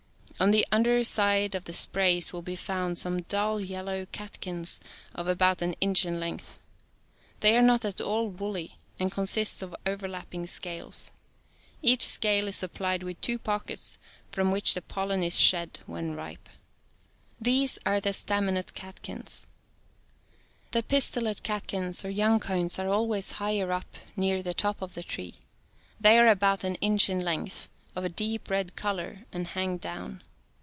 On the under ("B side of the sprays will be found some dull yellow cat kins of about an inch in length (Fig. 4). They are not at all woolly, and consist of overlapping scales. Each scale is supplied with two pockets, from which the pollen is shed when ripe (Fig. 4, d). These are the staminate cat kins. The pistillate catkins or young cones are always higher up near the top of the tree. They are about an inch in length, of a deep red color, and hang down.